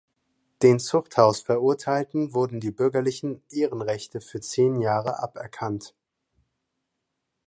Den Zuchthaus-Verurteilten wurden die bürgerlichen Ehrenrechte für zehn Jahre aberkannt.